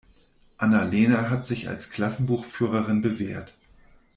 Anna-Lena hat sich als Klassenbuchführerin bewährt.